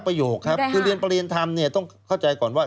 ประโยคครับคือเรียนประเรียนธรรมเนี่ยต้องเข้าใจก่อนว่า